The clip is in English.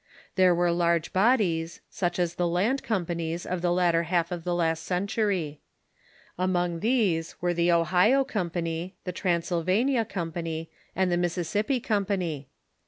There were large bodies, such as the land companies of the latter half of the last century. Among these Avere the Ohio Company, the Transylvania Company, and the Mississippi Company.